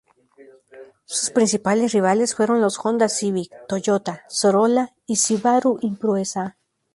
Sus principales rivales fueron los Honda Civic, Toyota Corolla y Subaru Impreza.